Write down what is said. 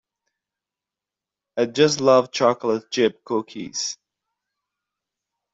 I just love chocolate chip cookies.